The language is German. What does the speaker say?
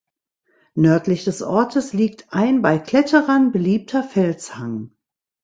Nördlich des Ortes liegt ein bei Kletterern beliebter Felshang.